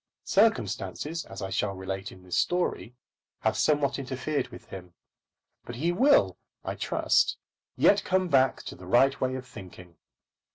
Circumstances, as I shall relate in this story, have somewhat interfered with him; but he will, I trust, yet come back to the right way of thinking.